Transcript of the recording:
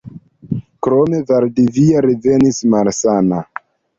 Krome Valdivia revenis malsana.